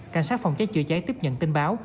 cảnh sát phòng cháy chữa cháy tiếp nhận tin báo